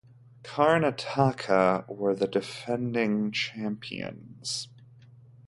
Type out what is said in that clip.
Karnataka were the defending champions.